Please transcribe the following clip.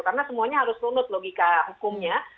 karena semuanya harus menurut logika hukumnya